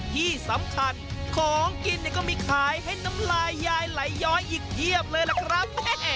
ที่สำคัญของกินก็มีขายให้น้ำลายยายไหลย้อยอีกเพียบเลยล่ะครับ